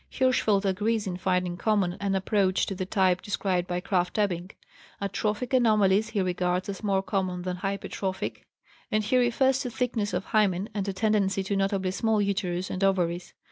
Hirschfeld agrees in finding common an approach to the type described by Krafft Ebing; atrophic anomalies he regards as more common than hypertrophic, and he refers to thickness of hymen and a tendency to notably small uterus and ovaries.